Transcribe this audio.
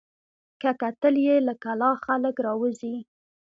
که کتل یې له کلا خلک راوزي